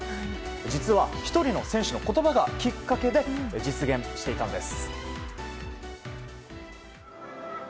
実は１人の選手の言葉がきっかけで実現していたんです。